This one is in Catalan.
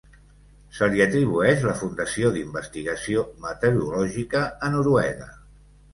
Se li atribueix la fundació d'investigació meteorològica a Noruega.